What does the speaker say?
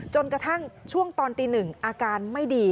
จนกระทั่งช่วงตอนตีหนึ่งอาการไม่ดี